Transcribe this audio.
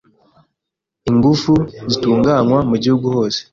ingufu zitunganywa mu gihugu hose